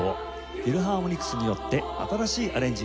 フィルハーモニクスによって新しいアレンジになっております。